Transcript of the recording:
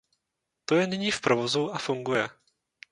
To je nyní v provozu a funguje.